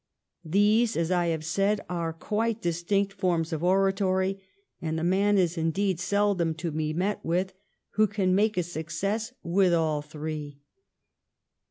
These, as I have said, are quite distinct forms of oratory, and the man is indeed seldom to be met with who can make a success with all three.